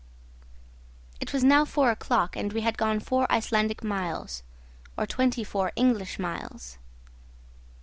It was now four o'clock, and we had gone four Icelandic miles, or twenty four English miles.